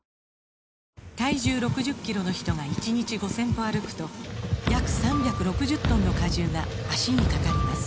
体重６０キロの人が１日５０００歩歩くと約３６０トンの荷重が脚にかかります